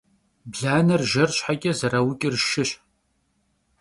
Blaner jjer şheç'e zerauç'ır şşış.